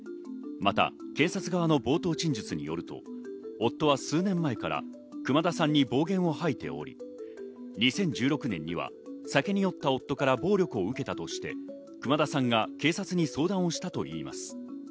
また検察側の冒頭陳述によると、夫は数年前から熊田さんに暴言を吐いており、２０１６年には酒に酔った夫から暴力を受けたとして熊田さんが警察に相談をしたといいます。